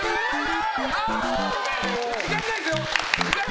時間ないですよ！